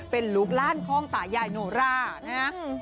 เป็นลูกล่านของตายายโนรานะฮะ